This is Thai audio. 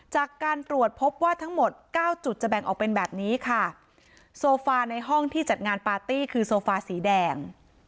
จากการตรวจพบว่าทั้งหมดเก้าจุดจะแบ่งออกเป็นแบบนี้ค่ะโซฟาในห้องที่จัดงานปาร์ตี้คือโซฟาสีแดง